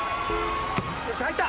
よし入った！